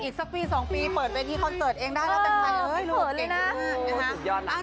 อีกสักปี๒ปีเปิดเวทีคอนเสิร์ตเองได้แล้วแต่ใครเอ้ยลูกเก่งมากนะคะ